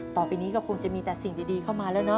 ต่อไปนี้ก็คงจะมีแต่สิ่งดีเข้ามาแล้วเนอ